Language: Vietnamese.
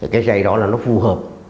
cái dây đó là nó phù hợp